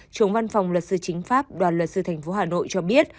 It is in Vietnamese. trưởng văn phòng luật sư chính pháp đoàn luật sư tp hà nội cho biết